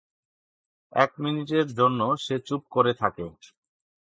এক মিনিটের জন্য সে চুপ করে থাকে।